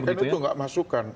saya berikan itu gak masukan